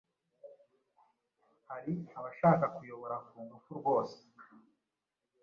Hari abashaka kuyobora kungufu rwose